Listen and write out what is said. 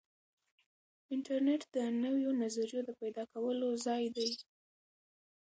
انټرنیټ د نویو نظریو د پیدا کولو ځای دی.